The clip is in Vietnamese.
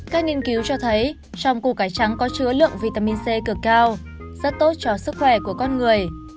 các nghiên cứu cho thấy trong củ cải trắng có chứa lượng vitamin c cực cao rất tốt cho sức khỏe của con người